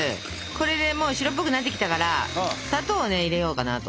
これでもう白っぽくなってきたから砂糖をね入れようかなと。